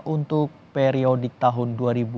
untuk periodik tahun dua ribu dua puluh